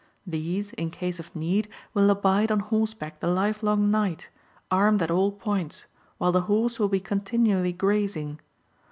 These, In case of need, will abide on horseback the livelong night, armed at all points, while the horse will be continually grazing.